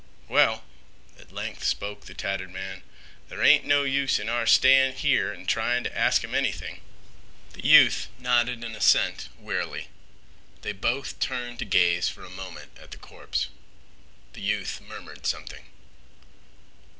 "Well," at length spoke the tattered man, "there ain't no use in our stayin' here an' tryin' t' ask him anything." The youth nodded an assent wearily. They both turned to gaze for a moment at the corpse. The youth murmured something.